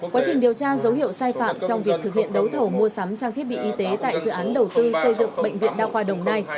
quá trình điều tra dấu hiệu sai phạm trong việc thực hiện đấu thầu mua sắm trang thiết bị y tế tại dự án đầu tư xây dựng bệnh viện đa khoa đồng nai